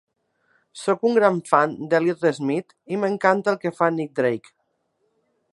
Soc un gran fan d'Elliott Smith i m'encanta el que fa Nick Drake.